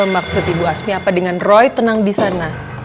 maksud ibu asmi apa dengan roy tenang di sana